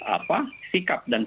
apa sikap dan